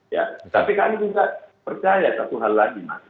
ya tapi kami juga percaya satu hal lagi mas